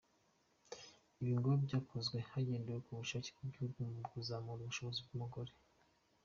Ibi ngo byakozwe hagendewe ku bushake bw’ibihugu mu kuzamura ubushobozi bw’umugore.